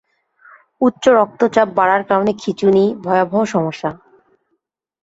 উচ্চ রক্তচাপ বাড়ার কারণে খিঁচুনি, ভয়াবহ সমস্যা।